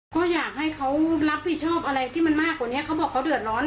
ก็อยากให้เขารับผิดชอบอะไรที่มันมากกว่านี้เขาบอกเขาเดือดร้อน